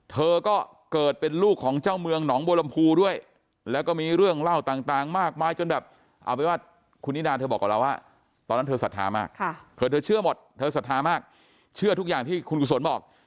เธอก็เกิดเป็นลูกของเจ้าเมืองหนองบัวลำพูด้วยแล้วก็มีเรื่องเล่าต่างมากมายจนแบบเอาเป็นว่าคุณนิดาเธอบอกกับเราว่าตอนนั้นเธอศรัทธามากเธอเชื่อหมดเธอศรัทธามากเชื่อทุกอย่างที่คุณกุศลบอก